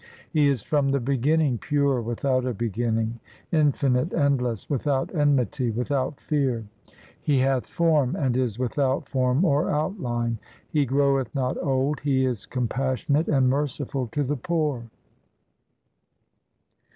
He is from the beginning, pure, without a beginning, infinite, 1 endless, without enmity, without fear. He hath form, and is without form or outline ; He groweth not old, He is compassionate and merciful to the poor.